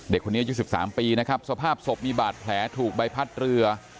เด็กคนนี้อายุ๑๓ปีนะครับสภาพศพมีบาดแผลถูกใบพัดเรือ